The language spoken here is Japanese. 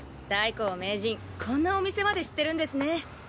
太閤名人こんなお店まで知ってるんですね。